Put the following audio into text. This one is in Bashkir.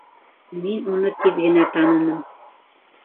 Мин уны тиҙ генә таныным